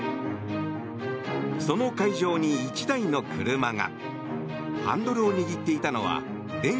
その会場に１台の車が。